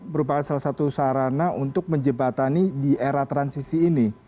merupakan salah satu sarana untuk menjebatani di era transisi ini